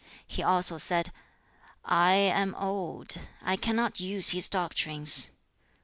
He also said, 'I am old; I cannot use his doctrines.'